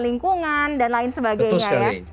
lingkungan dan lain sebagainya betul sekali